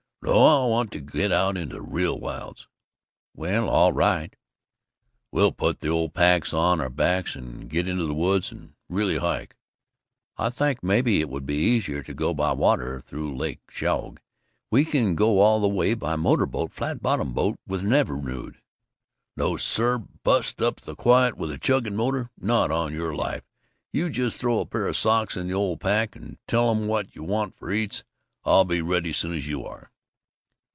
"No, I want to get into the real wilds." "Well, all right." "We'll put the old packs on our backs and get into the woods and really hike." "I think maybe it would be easier to go by water, through Lake Chogue. We can go all the way by motor boat flat bottom boat with an Evinrude." "No, sir! Bust up the quiet with a chugging motor? Not on your life! You just throw a pair of socks in the old pack, and tell 'em what you want for eats. I'll be ready soon's you are."